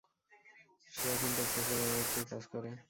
সে এখন টেক্সাসে বনরক্ষীর কাজ করে।